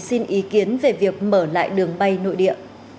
xin ý kiến về việc mở lại đường bay nội địa